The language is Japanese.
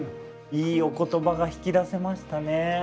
いいお言葉が引き出せましたね。